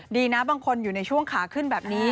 ดีนะบางคนอยู่ในช่วงขาขึ้นแบบนี้